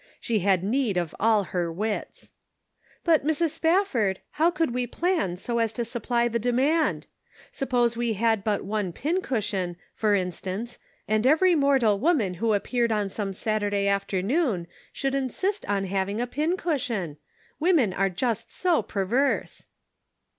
She had need of all her wits. " But, Mrs. Spafford, how could we plan so as to supply the demand? Suppose we had but one pin cushion, for instance, and every mortal woman who appeared on some Saturday afternoon should insist on having a pin cushion ? Women are just so perverse."